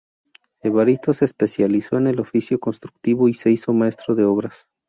Evaristo se especializó en el oficio constructivo y se hizo Maestro de Obras.